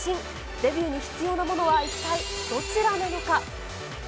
デビューに必要なものは一体どちらなのか。